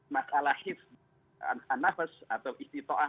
masalah nafas atau istiqaah